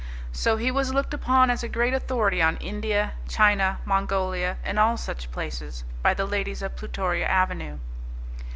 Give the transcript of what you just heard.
So he was looked upon as a great authority on India, China, Mongolia, and all such places, by the ladies of Plutoria Avenue.